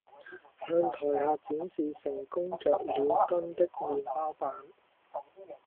向台下展示成功着了燈的麵包板